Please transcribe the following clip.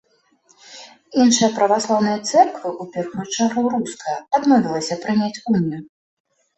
Іншыя праваслаўныя цэрквы, у першую чаргу руская, адмовіліся прыняць унію.